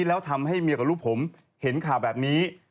แล้วทำให้เมียกับลูกผมเห็นข่าวแบบนี้